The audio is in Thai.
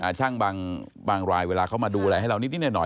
ช่างบางรายเวลาเขามาดูแลให้เรานิดหน่อย